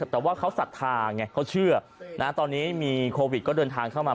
แต่ว่าเขาศรัทธาไงเขาเชื่อนะตอนนี้มีโควิดก็เดินทางเข้ามา